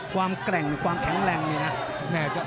แกร่งความแข็งแรงนี่นะ